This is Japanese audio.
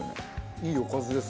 いいおかずです。